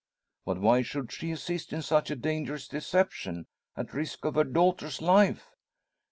"But why should she assist in such a dangerous deception at risk of her daughter's life?"